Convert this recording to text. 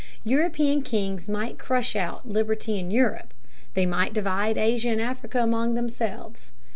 European kings might crush out liberty in Europe. They might divide Asia and Africa among themselves.